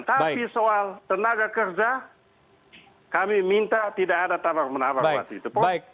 tapi soal tenaga kerja kami minta tidak ada tabar menabar